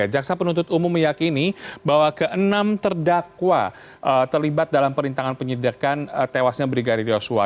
jaksa penuntut umum meyakini bahwa ke enam terdakwa terlibat dalam perintangan penyidikan tewasnya brigadir yosua